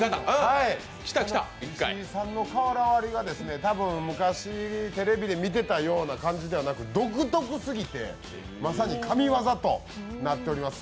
石井さんの瓦割りが、たぶん、昔テレビで見ていたようなものでなく独特すぎて、まさに神業となっております。